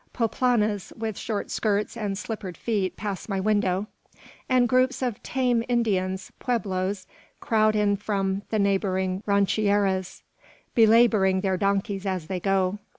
Poplanas with short skirts and slippered feet pass my window; and groups of "tame" Indians, pueblos, crowd in from the neighbouring rancherias, belabouring their donkeys as they go.